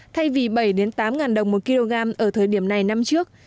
thay vì bảy tám đồng một kg ở thời điểm này năm trước